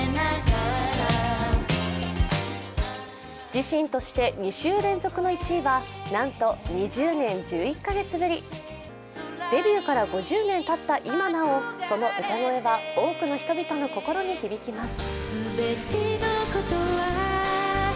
自身として２週連続の１位はなんと２０年１１か月ぶり。デビューから５０年たった今なおその歌声は多くの人々の心に響きます。